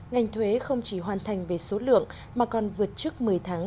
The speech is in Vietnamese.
ngành thuế không chỉ hoàn thành về số lượng mà còn vượt trước một mươi tháng